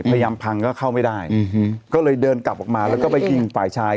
พยายามพังก็เข้าไม่ได้ก็เลยเดินกลับออกมาแล้วก็ไปยิงฝ่ายชาย